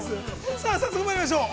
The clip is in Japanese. さあ早速まいりましょう。